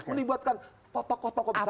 melibatkan tokoh tokoh besar